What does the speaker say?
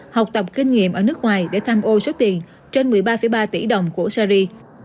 học tập kinh nghiệm ở nước ngoài để tham ô số tiền trên một mươi ba ba tỷ đồng của syri